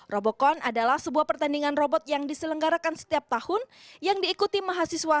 robocon adalah sebuah pertandingan robot yang diselenggarakan setiap tahun yang diikuti mahasiswa